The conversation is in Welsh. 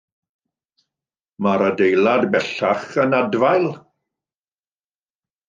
Mae'r adeilad bellach yn adfail.